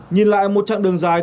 nhìn lại một chặng đường dài